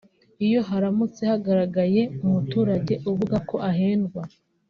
Iyo haramutse hagaragaye umuturage uvuga ko ahendwa